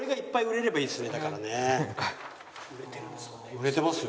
売れてますよ。